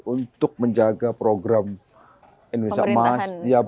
untuk menjaga program indonesia emas